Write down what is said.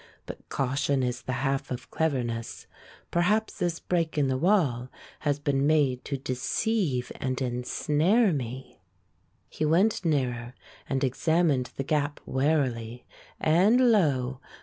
"But caution is the half of cleverness — perhaps this break in the wall has been made to deceive and en snare me." He went nearer and examined the gap warily; and lo!